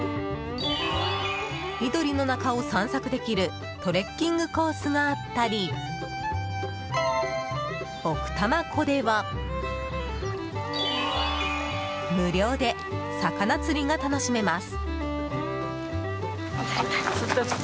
緑の中を散策できるトレッキングコースがあったり奥多摩湖では無料で魚釣りが楽しめます。